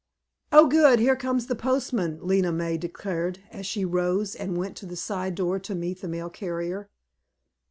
"Oh, good, here comes the postman," Lena May declared as she rose and went to the side door to meet the mail carrier.